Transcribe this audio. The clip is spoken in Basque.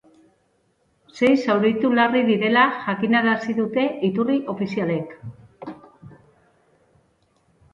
Sei zauritu larri direla jakinarazi dute iturri ofizialek.